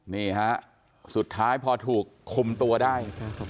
นี่ฮะสุดท้ายพอถูกคุมตัวได้